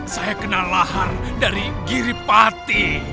saya kena lahar dari giripati